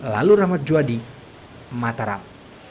lalu rahmat juwadi mataram